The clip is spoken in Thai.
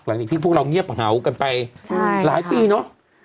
หลังจากที่พวกเราเงียบเห่ากันไปหลายปีเนอะ